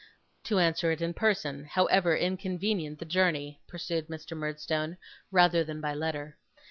'To answer it in person, however inconvenient the journey,' pursued Mr. Murdstone, 'rather than by letter.